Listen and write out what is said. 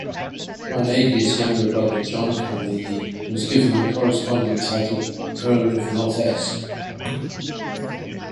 Carnegie's younger brother John Carnegie was given the corresponding title: Earl of Northesk.